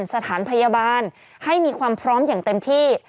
สถานพยาบาลให้มีความพร้อมอย่างเต็มที่